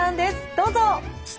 どうぞ！